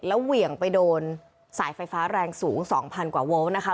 แล้วเหวี่ยงไปโดนสายไฟฟ้าแรงสูง๒๐๐กว่าโวลต์นะคะ